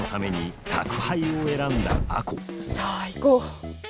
さあ行こう。